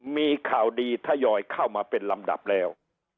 มีข่าวดีทยอยเข้ามาเป็นลำดับแล้ว